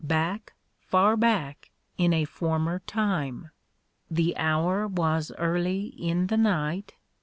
Back, far back, in a former time. The hour was early in the night.